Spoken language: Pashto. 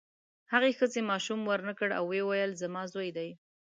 هغې ښځې ماشوم ورنکړ او ویې ویل زما زوی دی.